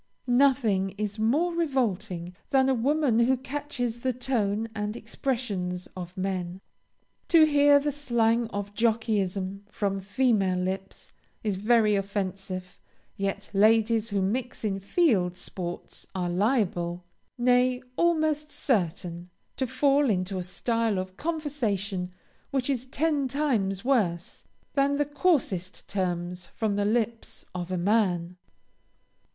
Nothing is more revolting than a woman who catches the tone and expressions of men. To hear the slang of jockeyism from female lips, is very offensive, yet ladies who mix in field sports are liable, nay, almost certain, to fall into a style of conversation which is ten times worse than the coarsest terms from the lips of a man.